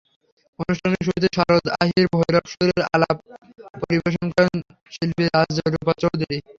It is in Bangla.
অনুষ্ঠানের শুরুতে সরোদে আহির-ভৈরব সুরের আলাপ পরিবেশন করেন শিল্পী রাজরূপা চৌধুরী।